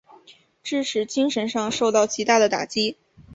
致使精神上受到极大的打击。